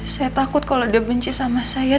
saya takut kalau dia benci sama saya